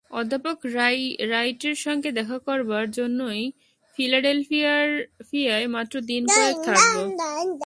অধ্যাপক রাইটের সঙ্গে দেখা করবার জন্যই ফিলাডেলফিয়ায় মাত্র দিনকয়েক থাকব।